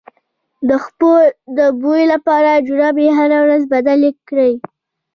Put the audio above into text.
د پښو د بوی لپاره جرابې هره ورځ بدلې کړئ